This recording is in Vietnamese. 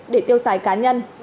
để tiêu xài cá nhân